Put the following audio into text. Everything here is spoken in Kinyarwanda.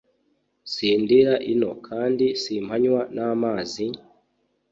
Sindira ino, kandi simpanywa n’amazi,